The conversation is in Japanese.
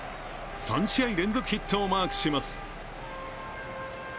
３試合連続ヒットをマークします。